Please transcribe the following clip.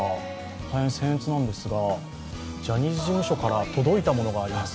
大変せん越なんですが、ジャニーズ事務所かた届いたものがあります。